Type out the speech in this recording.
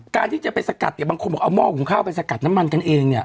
การที่จะไปสกัดเนี่ยบางคนบอกเอาหม้อหุงข้าวไปสกัดน้ำมันกันเองเนี่ย